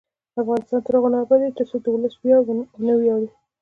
افغانستان تر هغو نه ابادیږي، ترڅو د ولس په ویاړ ونه ویاړو.